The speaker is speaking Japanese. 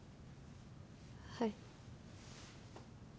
はい。